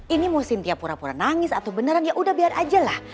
ini mau sintia pura pura nangis atau beneran ya udah biar aja lah